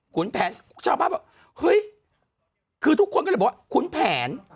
แผนชาวบ้านบอกเฮ้ยคือทุกคนก็เลยบอกว่าขุนแผน